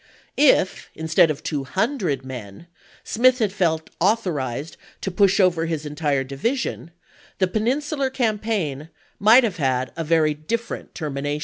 If, instead of two hun p. loe." dred men. Smith had felt authorized to push over his entire division, the Peninsular Campaign might have had a very different termination.